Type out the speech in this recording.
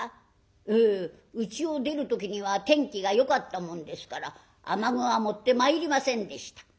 「ええうちを出る時には天気がよかったもんですから雨具は持ってまいりませんでした」。